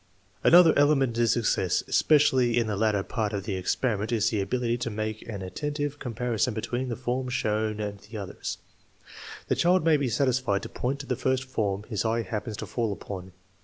Another element in success, especially in the latter part of the experiment, is the ability to make an attentive com parison between the form shown and the others. The child may be satisfied to point to the first form his eye happens to fall upon.